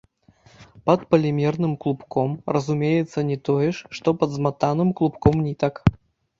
Пад палімерным клубком разумеецца не тое ж, што пад зматаным клубком нітак.